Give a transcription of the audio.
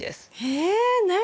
え何？